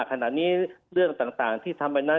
ถ้าขณะนี้เรื่องต่างที่ทำไปนะ